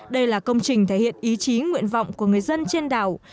đây là công trình thể hiện ý chí nguyện vọng của người dân trên đảo